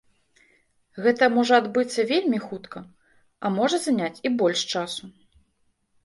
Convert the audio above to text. Гэта можа адбыцца вельмі хутка, а можа заняць і больш часу.